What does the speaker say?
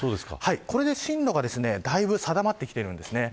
これで進路がだいぶ定まってきています。